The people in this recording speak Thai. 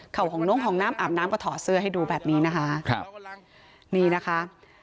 เขาของน้องของน้ำอาบน้ำก็ถอดเสื้อให้ดูแบบนี้นะคะครับนี่นะคะ